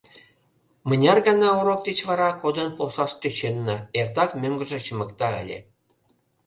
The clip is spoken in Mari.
Мыняр гана урок деч вара кодын полшаш тӧченна, эртак мӧҥгыжӧ чымыкта ыле.